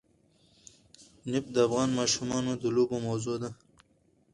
نفت د افغان ماشومانو د لوبو موضوع ده.